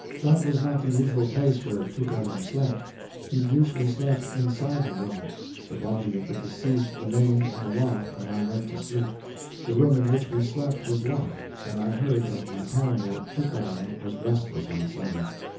That was not the usual place where Tookaram slept. He usually slept inside the room. The body of the deceased remained on the loft when I went to sleep. The room in which we slept was locked, and I heard that my paramour, Tookaram, was restless outside.